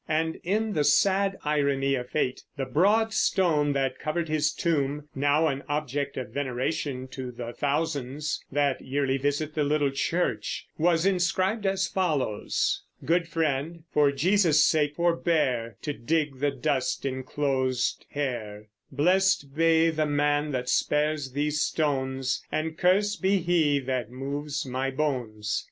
And in the sad irony of fate, the broad stone that covered his tomb now an object of veneration to the thousands that yearly visit the little church was inscribed as follows: Good friend, for Jesus' sake forbeare To dig the dust enclosed heare; Bleste be the man that spares these stones, And curst be he that moves my bones.